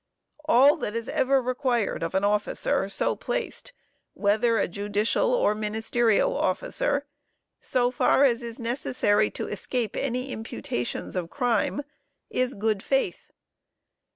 All that is ever required of an officer, so placed, whether a judicial or ministerial officer, so far as is necessary to escape any imputations of crime, is good faith.